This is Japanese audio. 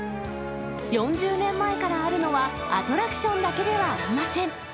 ４０年前からあるのは、アトラクションだけではありません。